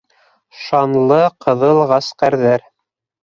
Шанлы ҡыҙыл ғәскәрҙәр